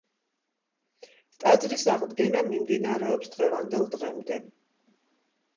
ტაძრის აღდგენა მიმდინარეობს დღევანდელ დღემდე.